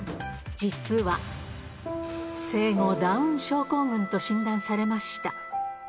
実は、生後、ダウン症候群と診断されました。